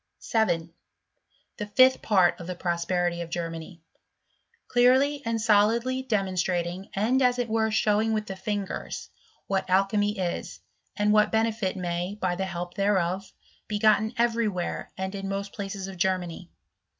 7. The fifth part of the Prosperity of Germany ; clearly and solidly demonstrating and as it were show ing with the fingers, what alchymy is, and what bene filniay, by the help thereof, be gotten every where and in most places of Germany.